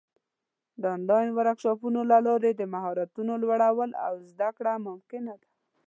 د آنلاین ورکشاپونو له لارې د مهارتونو لوړول او زده کړه ممکنه ده.